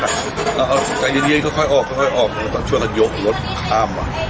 เอาใจเย็นก็ค่อยออกช่วยกันยกรถข้ามมา